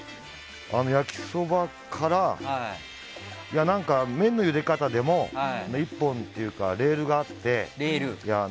焼きそばから、麺のゆで方でも１本というか、レールがあって。